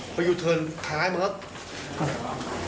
เพราะอยู่เทอร์นท้ายมันก็